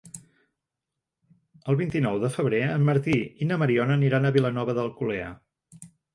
El vint-i-nou de febrer en Martí i na Mariona aniran a Vilanova d'Alcolea.